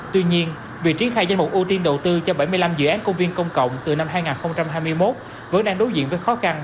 tuy nhiên việc triển khai danh mục ưu tiên đầu tư cho bảy mươi năm dự án công viên công cộng từ năm hai nghìn hai mươi một vẫn đang đối diện với khó khăn